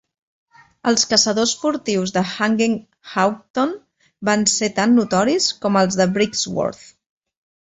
Els caçadors furtius de Hanging Houghton van ser tan notoris com els de Brixworth.